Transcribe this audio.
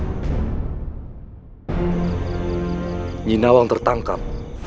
ini nawang tertangkap